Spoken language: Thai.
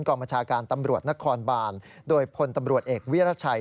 กรรมชาการตำรวจนครบานโดยพลตำรวจเอกวิรัชัย